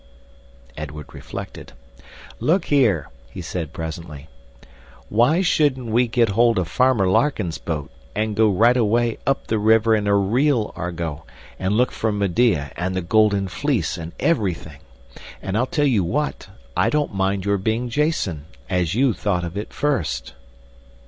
Edward reflected. "Look here," he said presently; "why shouldn't we get hold of Farmer Larkin's boat, and go right away up the river in a real Argo, and look for Medea, and the Golden Fleece, and everything? And I'll tell you what, I don't mind your being Jason, as you thought of it first."